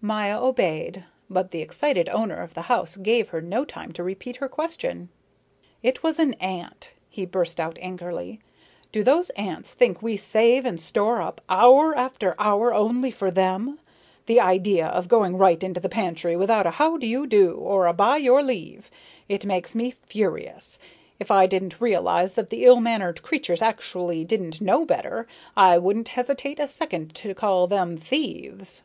Maya obeyed, but the excited owner of the house gave her no time to repeat her question. "It was an ant," he burst out angrily. "Do those ants think we save and store up hour after hour only for them! The idea of going right into the pantry without a how do you do or a by your leave! It makes me furious. If I didn't realize that the ill mannered creatures actually didn't know better, I wouldn't hesitate a second to call them thieves!"